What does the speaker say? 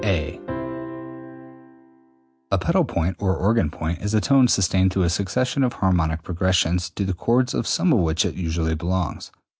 A pedal point (or organ point) is a tone sustained through a succession of harmonic progressions, to the chords of some of which it usually belongs.